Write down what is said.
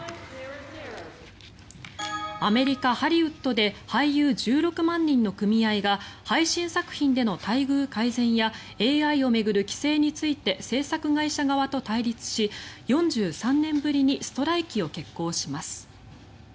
アメリカ・ハリウッドで俳優１６万人の組合が配信作品での待遇改善やＡＩを巡る規制について制作会社側と対立し４３年ぶりにストライキを決行します。